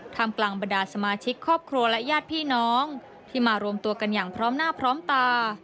ทำกลางบรรดาสมาชิกครอบครัวและญาติพี่น้องที่มารวมตัวกันอย่างพร้อมหน้าพร้อมตา